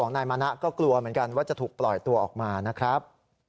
นายมานะก็กลัวเหมือนกันว่าจะถูกปล่อยตัวออกมานะครับ